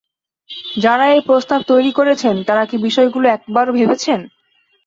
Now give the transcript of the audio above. যাঁরা এই প্রস্তাব তৈরি করেছেন তাঁরা কি বিষয়গুলো একবারও ভেবেছেন?